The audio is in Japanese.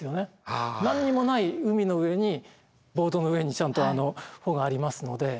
何にもない海の上にボードの上にちゃんと帆がありますので。